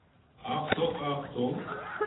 Achtung, Achtung!